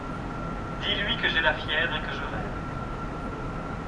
Dis-lui que j'ai la fièvre et que je rêve.